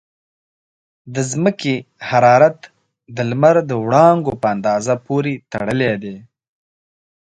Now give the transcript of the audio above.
د ځمکې حرارت د لمر د وړانګو په اندازه پورې تړلی دی.